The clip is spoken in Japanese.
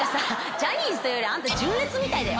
ジャニーズというよりあんた純烈みたいだよ。